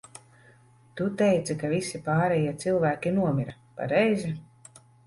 Tu teici, ka visi pārējie cilvēki nomira, pareizi?